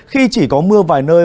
khi chỉ có mưa vài nơi